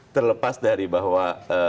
terlepas dari bahwa